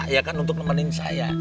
ya kan untuk nemenin saya